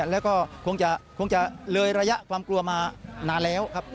แล้วก็คงจะเลยระยะความกลัวมานานแล้วครับ